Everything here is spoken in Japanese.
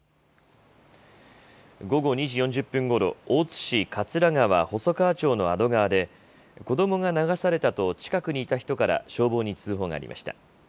午後２時４０分ごろ、大津市葛川細川町の安曇川で、子どもが流されたと近くにいた人から消防に通報がありました。